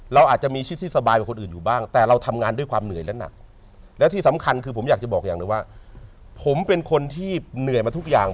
เราอาจจะมีชื่อที่สบายกับคนอื่นอยู่บ้าง